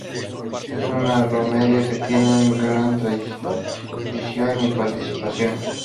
Es una romería que tiene una gran tradición y participación.